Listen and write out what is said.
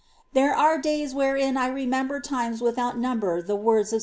16. There are days wherein I remember times without number the words of S.